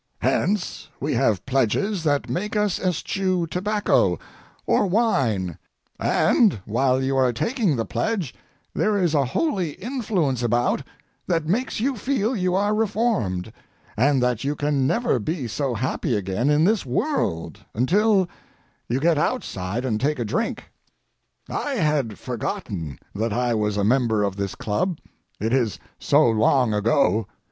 Hence we have pledges that make us eschew tobacco or wine, and while you are taking the pledge there is a holy influence about that makes you feel you are reformed, and that you can never be so happy again in this world until—you get outside and take a drink. I had forgotten that I was a member of this club—it is so long ago.